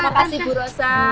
makasih bu rosa